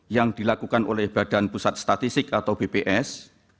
yang dilakukan oleh badan pusat statistik atau bps